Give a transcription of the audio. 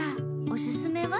おすすめは？